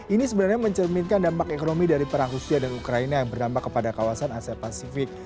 ini sebenarnya mencerminkan dampak ekonomi dari perang rusia dan ukraina yang berdampak kepada kawasan asia pasifik